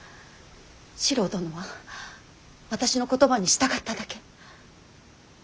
四郎殿は私の言葉に従っただけ。